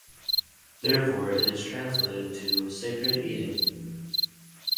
Therefore, it is translated to "sacred eating".